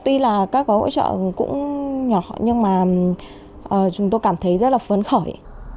tuy là các gói hỗ trợ cũng nhỏ nhưng mà chúng tôi cảm thấy rất là phấn khởi